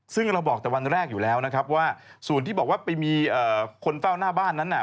ซึ่งเราบอกแต่วันแรกอยู่แล้วนะครับว่าส่วนที่บอกว่าไปมีคนเฝ้าหน้าบ้านนั้นน่ะ